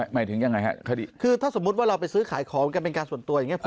หมายถึงยังไงฮะคดีคือถ้าสมมุติว่าเราไปซื้อขายของกันเป็นการส่วนตัวอย่างนี้